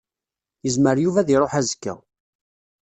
Yezmer Yuba ad iṛuḥ azekka.